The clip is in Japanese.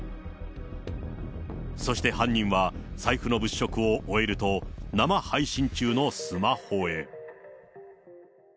そして犯人は、財布の物色を終えると、生配信中のスマホへ。